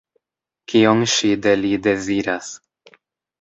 Kion ŝi de li deziras?